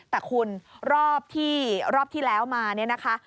แต่คุณรอบที่แล้วมานี่นะคะ